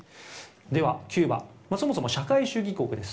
では、キューバそもそも社会主義国です。